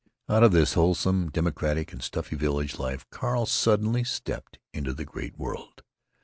Come on." Out of this wholesome, democratic, and stuffy village life Carl suddenly stepped into the great world.